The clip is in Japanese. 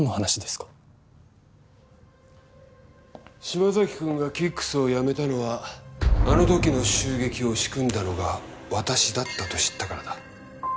島崎くんがＫＩＣＫＳを辞めたのはあの時の襲撃を仕組んだのが私だったと知ったからだ。